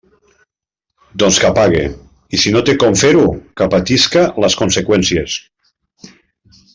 Doncs que pague; i si no té com fer-ho que patisca les conseqüències.